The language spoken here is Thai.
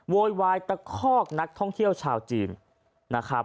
โวยวายตะคอกนักท่องเที่ยวชาวจีนนะครับ